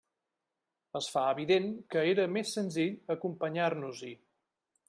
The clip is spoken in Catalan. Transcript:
Es fa evident que era més senzill acompanyar-nos-hi.